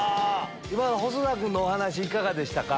今の細田君のお話いかがでしたか？